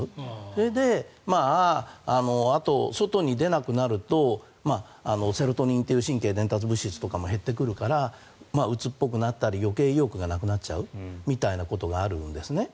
それで、あと、外に出なくなるとセロトニンという神経伝達物質が減ってくるからうつっぽくなったり余計に意欲がなくなっちゃうということがあるんですね。